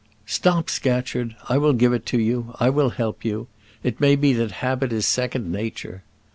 "Stop, Scatcherd; I will give it you I will help you. It may be that habit is second nature."